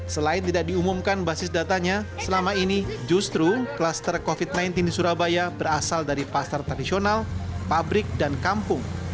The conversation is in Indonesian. selain tidak diumumkan basis datanya selama ini justru kluster covid sembilan belas di surabaya berasal dari pasar tradisional pabrik dan kampung